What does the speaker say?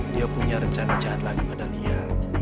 dia punya rencana jahat lagi pada lia